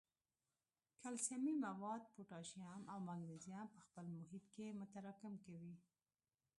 کلسیمي مواد، پوټاشیم او مګنیزیم په خپل محیط کې متراکم کوي.